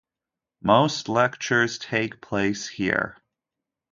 Most lectures take place here.